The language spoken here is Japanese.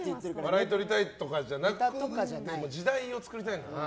笑いを取りたいとかじゃなくて時代を作りたいんですね。